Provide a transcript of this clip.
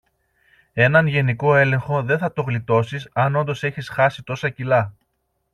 έναν γενικό έλεγχο δεν θα το γλιτώσεις αν όντως έχεις χάσει τόσα κιλά